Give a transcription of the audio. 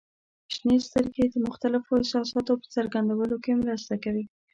• شنې سترګې د مختلفو احساساتو په څرګندولو کې مرسته کوي.